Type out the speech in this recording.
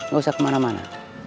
gak usah kemana mana